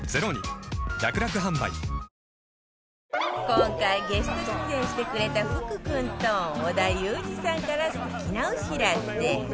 今回ゲスト出演してくれた福君と織田裕二さんから素敵なお知らせ